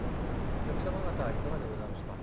お客様方いかがでございますか？